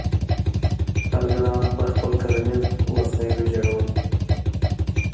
کارګران به خپل کرنیز وسایل ویجاړول.